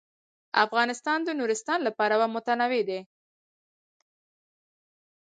افغانستان د نورستان له پلوه متنوع دی.